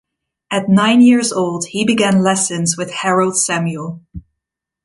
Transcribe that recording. At nine years old he began lessons with Harold Samuel.